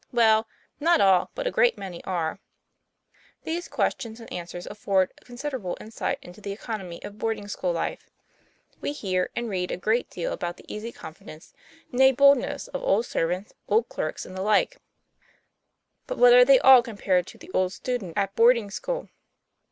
'Well, not all. But a great many are." These queistions and answers afford considerable insight into the economy of boarding school life. We hear and read a great deal about the easy confi dence, nay boldness of old servants, old clerks, and the like; but what are they all compared to the 48 TOM PLAYFAIR. old student at boarding school